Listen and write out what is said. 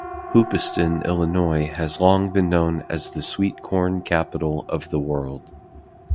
Hoopeston, Illinois has long been known as the Sweetcorn Capital of the World.